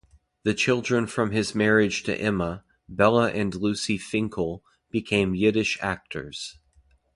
The children from his marriage to Emma, Bella and Lucy Finkel, became Yiddish actors.